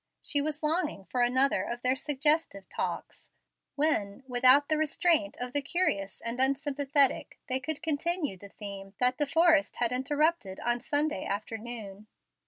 She was longing for another of their suggestive talks, when, without the restraint of the curious and unsympathetic, they could continue the theme that De Forrest had interrupted on Sunday afternoon.